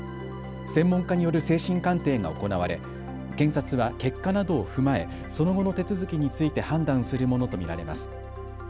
専門家による精神鑑定が行われ検察は結果などを踏まえその後の手続きについて判断するものと見られます。